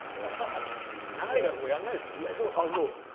長い落語、やらないですもんね。